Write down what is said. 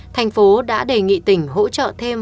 thành phố đã đề nghị tỉnh hỗ trợ thêm